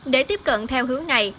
để tiếp cận theo hướng này